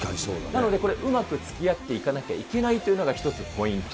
なのでこれ、うまくつきあっていかなきゃいけないというのが一つ、ポイント。